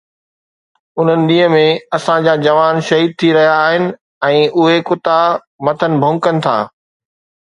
انهن ڏينهن ۾ اسان جا جوان شهيد ٿي رهيا آهن ۽ اهي ڪتا مٿن ڀونڪن ٿا